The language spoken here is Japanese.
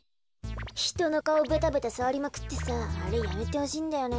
ひとのかおベタベタさわりまくってさあれやめてほしいんだよね。